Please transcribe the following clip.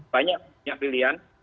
banyak punya pilihan